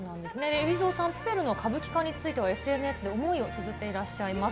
海老蔵さん、プペルの歌舞伎化についてはＳＮＳで思いをつづっていらっしゃいます。